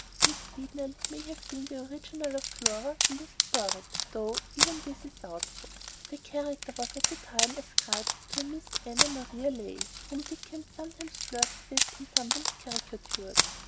Miss Beadnell may have been the original of Flora in Little Dorrit, though even this is doubtful. The character was at the time ascribed to a Miss Anna Maria Leigh, whom Dickens sometimes flirted with and sometimes caricatured.